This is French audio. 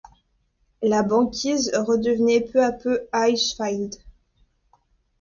La banquise redevenait peu à peu ice-field.